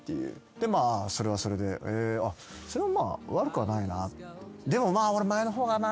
でまあそれはそれでそれは悪くはないな。